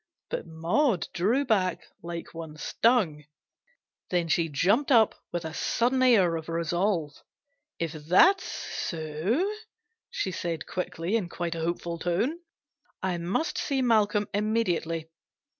But Maud drew back like one stung ; then she jumped up with a sudden air of resolve. " If that's so," she said quickly, in quite a hopeful tone, " I must see Malcolm immediately.